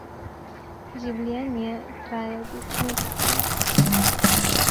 Življenje traja do smrti.